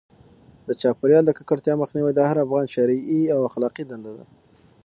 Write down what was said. د چاپیریال د ککړتیا مخنیوی د هر افغان شرعي او اخلاقي دنده ده.